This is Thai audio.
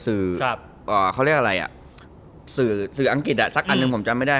เขาเรียกอะไรอ่ะสื่อสื่ออังกฤษอ่ะสักอันหนึ่งผมจำไม่ได้